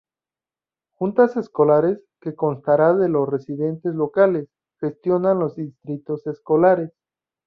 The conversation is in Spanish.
Juntas escolares, que constará de los residentes locales, gestionan los distritos escolares.